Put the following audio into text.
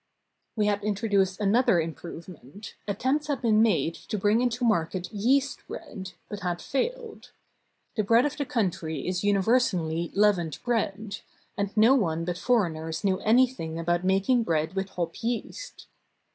We had introduced another improvement. Attempts had been made to bring into market yeast bread, but 571 TURKEY had failed. The bread of the country is universally leavened bread; and no one but foreigners knew any thing about making bread with hop yeast.